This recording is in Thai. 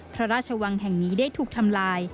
พระราชวังแห่งนี้ได้ถูกทำลาย